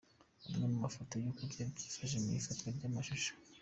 Amwe mu mafoto y’uko byari byifashe mu ifatwa ry’amashusho.